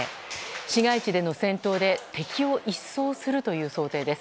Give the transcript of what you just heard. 市街地での戦闘で敵を一掃するという想定です。